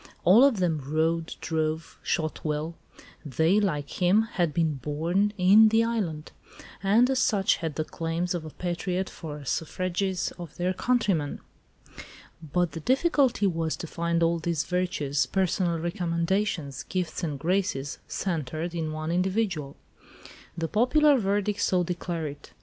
All of them rode, drove, shot well; they, like him, had been born "in the island," and as such had the claims of a patriot for the suffrages of their countrymen. But the difficulty was to find all these virtues, personal recommendations, gifts and graces, centred in one individual. The popular verdict so declared it.